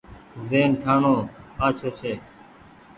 زهين ٺآڻو آڇو ڇي۔